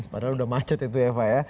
padahal udah macet itu ya pak ya